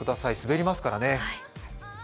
滑りますからね。